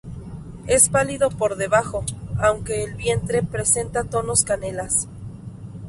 Es pálido por debajo, aunque el vientre presenta tonos canelas.